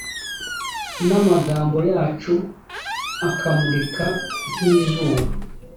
n’amagambo yacu akamurika nk’izuba